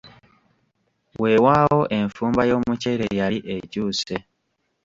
Weewaawo enfumba y'omuceere yali ekyuse.